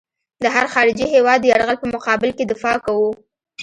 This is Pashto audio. د هر خارجي هېواد د یرغل په مقابل کې دفاع کوو.